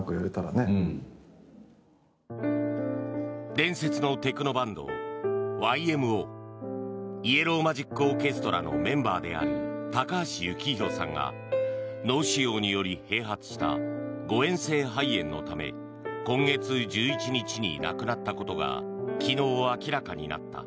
伝説のテクノバンド、ＹＭＯイエロー・マジック・オーケストラのメンバーである高橋幸宏さんが脳腫瘍により併発した誤嚥性肺炎のため今月１１日に亡くなったことが昨日明らかになった。